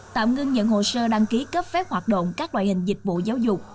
tạm ngưng nhận hồ sơ đăng ký cấp phép hoạt động các loại hình dịch vụ giáo dục